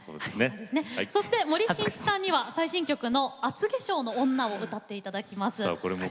そして、森進一さんには最新曲「厚化粧の女」を歌っていただきます。